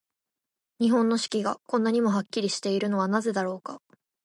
日本の四季が、こんなにもはっきりしているのはなぜだろうか。